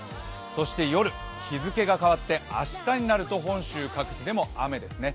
そして夜、日付が変わって明日になると本州各地でも雨ですね。